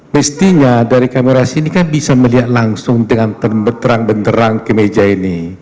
mestinya dari kamera sini kan bisa melihat langsung dengan berterang benderang ke meja ini